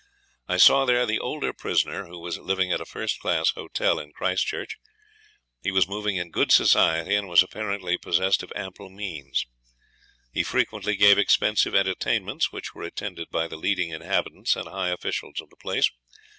I saw there the older prisoner, who was living at a first class hotel in Christchurch. He was moving in good society, and was apparently possessed of ample means. He frequently gave expensive entertainments, which were attended by the leading inhabitants and high officials of the place.